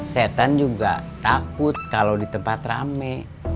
setan juga takut kalau di tempat rame